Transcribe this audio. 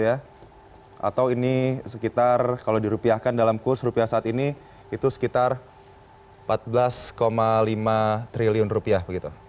atau ini sekitar kalau dirupiahkan dalam kurs rupiah saat ini itu sekitar empat belas lima triliun rupiah begitu